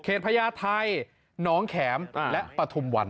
เขตพระยาทัยน้องแข็มและปฐุมวัน